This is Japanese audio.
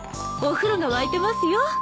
お風呂が沸いてますよ。